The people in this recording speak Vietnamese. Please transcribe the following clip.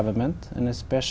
trở thành năng lực